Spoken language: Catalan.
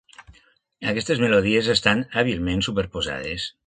Aquestes melodies estan hàbilment superposades.